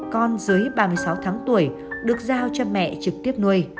con dưới ba mươi sáu tháng tuổi được giao cho mẹ trực tiếp nuôi